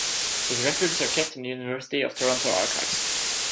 His records are kept in the University of Toronto Archives.